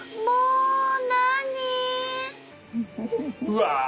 うわ。